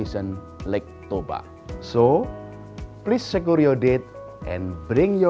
dan pulau toba yang luar biasa